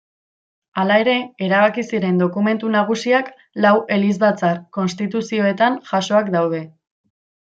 Hala ere, erabaki ziren dokumentu nagusiak lau elizbatzar-konstituzioetan jasoak daude.